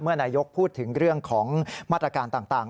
เมื่อนายกรัฐมนตรีพูดถึงเรื่องของมาตรการต่าง